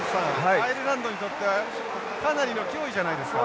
アイルランドにとってかなりの脅威じゃないですか？